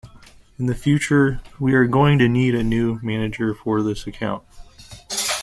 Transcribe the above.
In the future, we are going to need a new manager for this account.